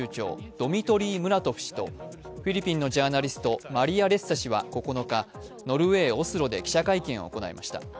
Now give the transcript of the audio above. ドミトリー・ムラトフ氏とフィリピンのジャーナリスト、マリア・レッサ氏は９日、ノルウェー・オスロで記者会見を行いました。